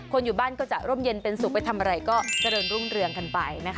อยู่บ้านก็จะร่มเย็นเป็นสุขไปทำอะไรก็เจริญรุ่งเรืองกันไปนะคะ